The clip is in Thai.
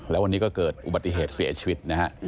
แล้ววันนี้ก็เกิดอุบัติเหตุเสียชีวิตนะฮะ